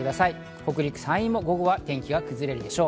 北陸山陰も午後は天気が崩れるでしょう。